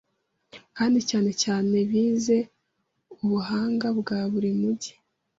Kandi cyane cyane bize Ubuhanga bwa buri mujyi